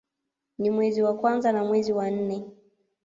Ni mwezi wa kwanza na mwezi wa nne